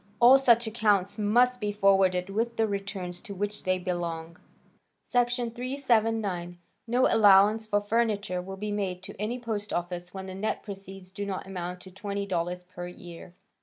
All such accounts must be forwarded with the returns to which they belong." Section 379. "No allowance for furniture will be made to any post office when the net proceeds do not amount to $20 per year."